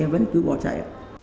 em vẫn cứ bỏ chạy ạ